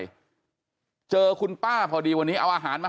เค้าให้เค้ามาเก็บให้ทุกละกันข้างบ้านผมด้วย